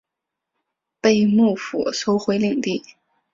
被幕府收回领地。